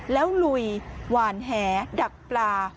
แล้วลุยหวานแหดักปลา